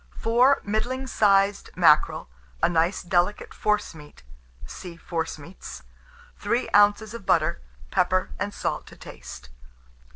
4 middling sized mackerel, a nice delicate forcemeat (see Forcemeats), 3 oz. of butter; pepper and salt to taste.